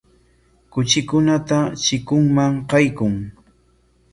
Kuchikunata chikunman qaykun.